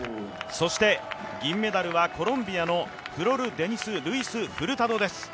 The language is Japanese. そして銀メダルはコロンビアのフロルデニス・ルイスフルタドです。